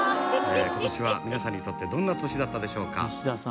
今年は皆さんにとってどんな年だったでしょうか？